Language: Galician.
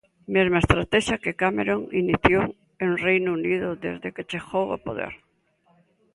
Mesma estratexia que Cameron iniciou en Reino Unido desde que chegou ao poder.